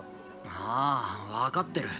あー分かってる。